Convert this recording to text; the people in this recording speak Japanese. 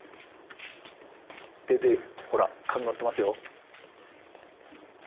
出てほら紙持ってますよ